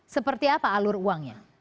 seperti apa alur uangnya